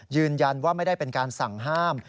ยืนยันว่าไม่ได้เป็นการสั่งห้าม